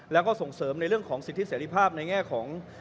แล้วก็ส่งเสริมในเรื่องของสิทธิเสรีภาพในแง่ของ